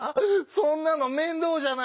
そんなの面倒じゃないか！